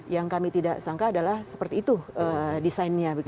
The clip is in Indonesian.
yang kami tidak sangka adalah seperti itu desainnya